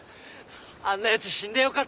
あんなやつ死んでよかったんだよ。